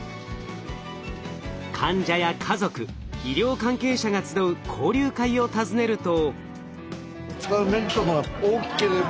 患者や家族医療関係者が集う交流会を訪ねると。